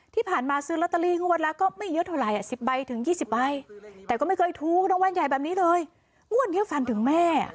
ที่ผ่านมาซื้อรัตรีงวดแล้วก็ไม่เยอะเท่าไหร่๑๐๒๐ใบแต่ก็ไม่เคยทูลงวัลใหญ่แบบนี้เลยงวดเที่ยวฟันถึงแม่